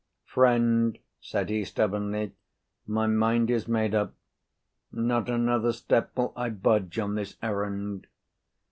"Friend," said he, stubbornly, "my mind is made up. Not another step will I budge on this errand.